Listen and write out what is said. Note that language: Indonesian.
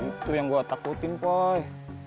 itu yang gue takutin poi